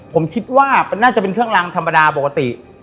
ผมคิดว่ามันน่าจะเป็นเครื่องรางธรรมดาปกติ